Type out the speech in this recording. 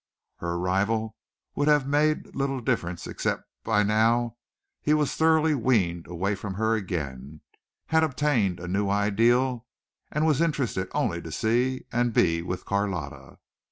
Her arrival would have made little difference except that by now he was thoroughly weaned away from her again, had obtained a new ideal and was interested only to see and be with Carlotta.